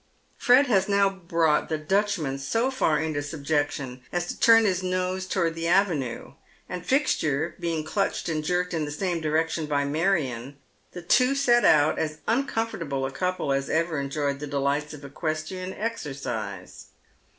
Fred has now brought the Dutchman so far into subjection as to turn his nose towards the avenue, and Fixture being clutchec} and jerked in the same direction by ]\Iarion, the two set out, as uncomfortable a couple as ever enjoyed the delights of equestrian exercise.